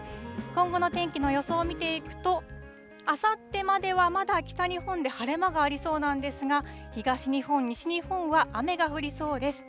今後の天気の予想を見ていくと、あさってまではまだ北日本で晴れ間がありそうなんですが、東日本、西日本は雨が降りそうです。